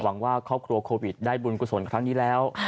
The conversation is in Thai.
หวังว่าครอบครัวโควิดได้บุญกุศลครั้งนี้แล้ว